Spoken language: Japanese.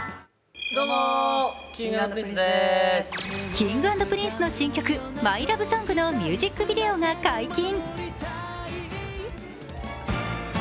Ｋｉｎｇ＆Ｐｒｉｎｃｅの新曲「ＭｙＬｏｖｅＳｏｎｇ」のミュージックビデオが解禁。